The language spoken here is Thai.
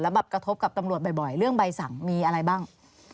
แบบกระทบกับตำรวจบ่อยเรื่องใบสั่งมีอะไรบ้าง